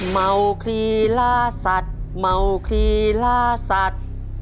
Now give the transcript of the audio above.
เมาคลีล่าสัตว์เมาคลีล่าสัตว์